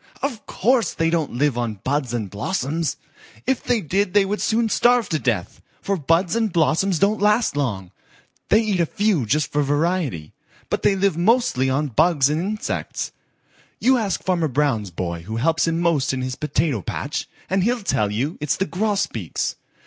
"Of course they don't live on buds and blossoms. If they did they would soon starve to death, for buds and blossoms don't last long. They eat a few just for variety, but they live mostly on bugs and insects. You ask Farmer Brown's boy who helps him most in his potato patch, and he'll tell you it's the Grosbeaks.